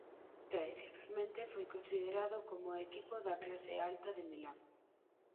Tradicionalmente foi considerado como o equipo da clase alta de Milán.